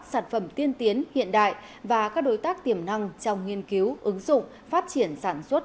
sản phẩm tiên tiến hiện đại và các đối tác tiềm năng trong nghiên cứu ứng dụng phát triển sản xuất